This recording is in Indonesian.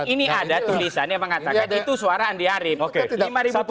ini ada tulisannya mengatakan itu suara andi arief